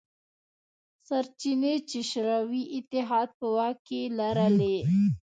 سرچینې چې شوروي اتحاد په واک کې لرلې.